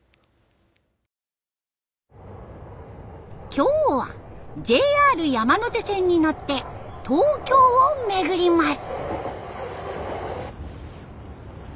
今日はＪＲ山手線に乗って東京を巡ります。